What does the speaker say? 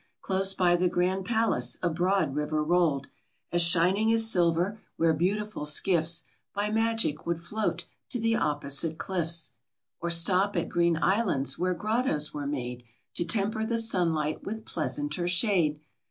Close by the grand palace a broad river rolled, As shining as silver ; where beautiful skiffs. By magic, would float to the opposite cliffs, 52 QUEEN DISCONTENT. Or stop at green islands where grottoes were made, To temper the sunlight with pleasanter shade.